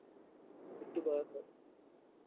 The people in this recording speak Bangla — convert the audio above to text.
একটু দয়া কর।